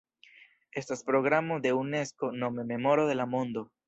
Estas programo de Unesko nome Memoro de la Mondo.